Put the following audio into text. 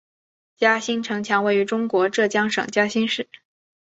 嘉兴城墙位于中国浙江省嘉兴市。